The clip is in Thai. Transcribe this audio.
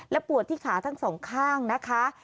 ปวดที่ขาทั้งสองข้างนะคะ